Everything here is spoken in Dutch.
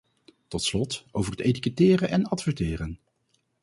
Tot slot, over het etiketteren en adverteren.